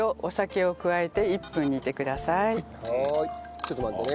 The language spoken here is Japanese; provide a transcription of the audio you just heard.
ちょっと待ってね。